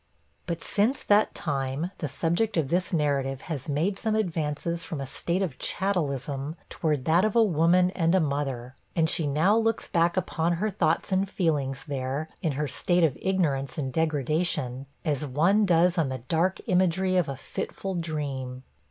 But since that time, the subject of this narrative has made some advances from a state of chattelism towards that of a woman and a mother; and she now looks back upon her thoughts and feelings there, in her state of ignorance and degradation, as one does on the dark imagery of a fitful dream.